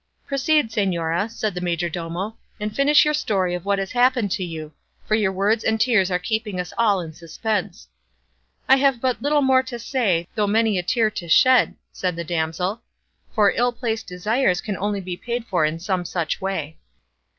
"Proceed, señora," said the majordomo, "and finish your story of what has happened to you, for your words and tears are keeping us all in suspense." "I have but little more to say, though many a tear to shed," said the damsel; "for ill placed desires can only be paid for in some such way."